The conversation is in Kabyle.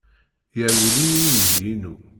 Yerwel-iyi uydi-inu.